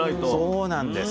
そうなんです。